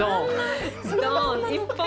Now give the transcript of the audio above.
１本。